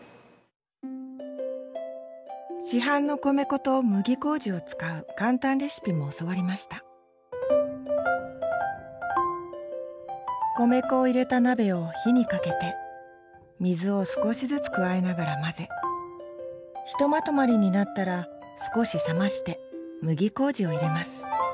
市販の米粉と麦麹を使う簡単レシピも教わりました米粉を入れた鍋を火をかけて水を少しずつ加えながら混ぜひとまとまりになったら少し冷まして麦麹を入れます。